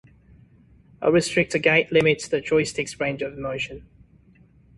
A restrictor gate limits the joystick's range of motion.